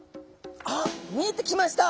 あっ見えてきました。